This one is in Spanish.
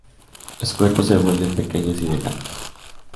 Los cuerpos se vuelven pequeños y delgados.